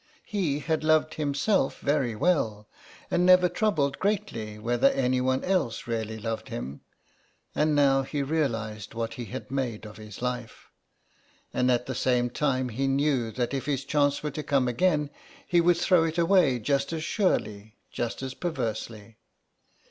He had loved himself very well and never troubled greatly whether anyone else really loved him, and now he realised what he had made of his life. And at the same time he knew that if his chance were to come again he would throw it away just as surely, just as perversely.